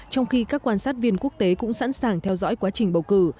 trong khi các quan sát viên quốc tế cũng sẵn sàng theo dõi quá trình bầu cử